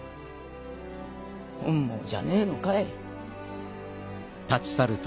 本望じゃねえのかい？